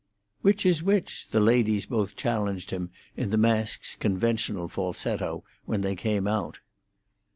"Which is which?" the ladies both challenged him, in the mask's conventional falsetto, when they came out.